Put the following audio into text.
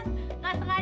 lapar pak komandan